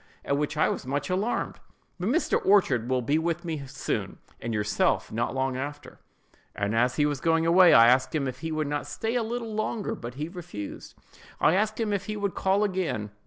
(at which I was much alarmed), "but Mr. Orchard will be with me soon, and yourself not long after." As he was going away, I asked him if he would not stay a little longer, but he refused. I asked him if he would call again.